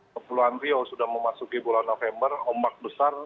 kepulauan rio sudah memasuki bulan november ombak besar